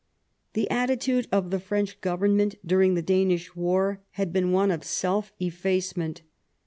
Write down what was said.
The attitude of the French Government during the Danish War had been one of self efface ment.